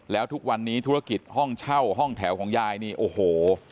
แล้วทุกวันนี้ธุรกิจห้องเช่าห้องแถวของยายนี่โอ้โห